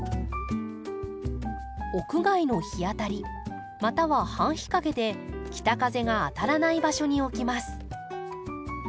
屋外の日当たりまたは半日陰で北風が当たらない場所に置きます。